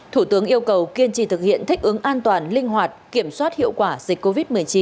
thủ tướng yêu cầu kiên trì thực hiện thích ứng an toàn linh hoạt kiểm soát hiệu quả dịch covid một mươi chín